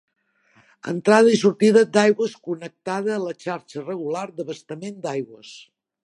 Entrada i sortida d'aigües connectada a la xarxa regular d'abastament d'aigües.